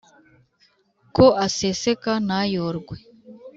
ko aseseka ntayorwe